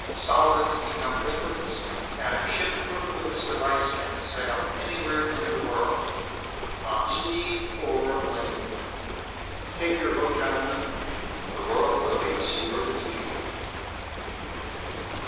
Solids become liquids, and a ship equipped with this device can sail anywhere in the world on sea or land. Take your vote, gentlemen; the world awaits your decision."